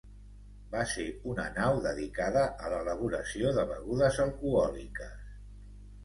Va ser una nau dedicada a l'elaboració de begudes alcohòliques.